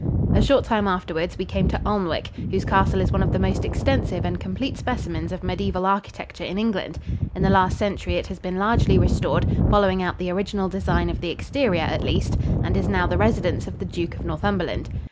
A short time afterwards we came to Alnwick, whose castle is one of the most extensive and complete specimens of mediaeval architecture in England. In the last century it has been largely restored, following out the original design of the exterior, at least, and is now the residence of the Duke of Northumberland.